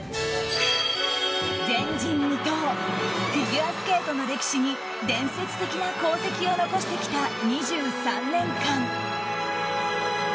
前人未到フィギュアスケートの歴史に伝説的な功績を残してきた２３年間。